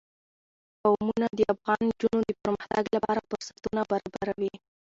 قومونه د افغان نجونو د پرمختګ لپاره فرصتونه برابروي.